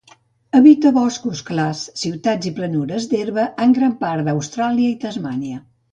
Habita boscos clars, ciutats i planures d'herba en gran part d'Austràlia i Tasmània.